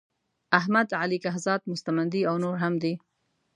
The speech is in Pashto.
احمد علی کهزاد مستمندي او نور هم دي.